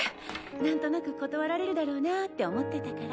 なんとなく断られるだろうなって思ってたから。